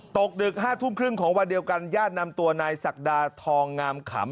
ตกดึก๕ทุ่มครึ่งของวันเดียวกันญาตินำตัวนายศักดาทองงามขำ